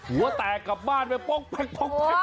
หัวแตกกลับบ้านไปป๊อก